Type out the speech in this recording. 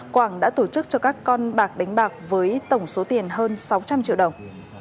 quảng đã tổ chức cho các con bạc đánh bạc với tổng số tiền hơn sáu trăm linh triệu đồng